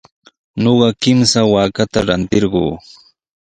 Ñuqa kimsa waakata rantirquu.